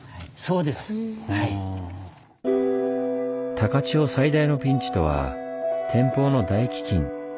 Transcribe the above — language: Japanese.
高千穂最大のピンチとは天保の大飢饉。